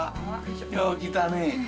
よう来たね。